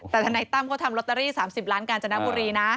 แต่ทนายตั้มเขาทำลอตเตอรี่๓๐ล้านกาญจนบุรีนะ